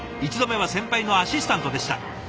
１度目は先輩のアシスタントでした。